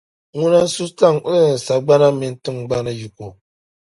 Ŋuna n-su sagbana mini tiŋgbani yiko.